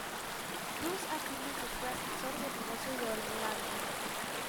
Cruz afirma que fue asesor de negocios de Orlando.